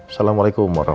assalamualaikum wr wb